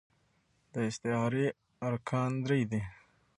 د استعارې ارکان درې دي.